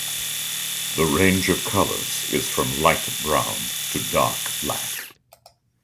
The range of colors is from light brown to dark black.